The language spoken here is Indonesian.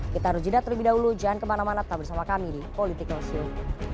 kita harus jeda terlebih dahulu jangan kemana mana tetap bersama kami di political show